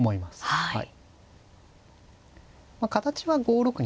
はい。